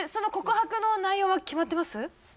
告白の内容は決まってます？